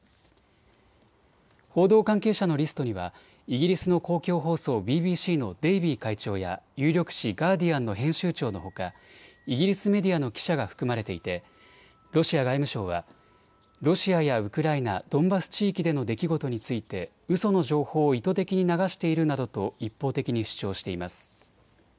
報道関係者のリストにはイギリスの公共放送ＢＢＣのデイビー会長や有力紙、ガーディアンの編集長のほかイギリスメディアの記者が含まれていてロシア外務省はロシアやウクライナドンバス地域での出来事についてうその情報を意図的に流しているなどと一方的に主張しています。